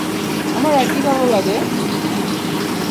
আমার আর কী ভালো লাগে?